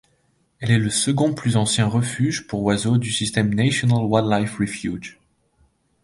Elle est le second plus ancien refuge pour oiseaux du système National Wildlife Refuge.